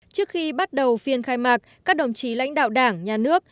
trước khi bắt đầu phiên khai mạc các đồng chí lãnh đạo đảng nhà nước